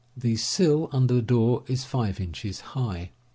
The "sill "under the door is 5 inches high.